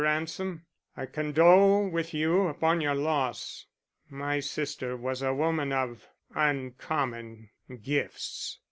Ransom, I condole with you upon your loss. My sister was a woman of uncommon gifts."